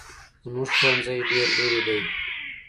زموږ ښوونځی ډېر لري دی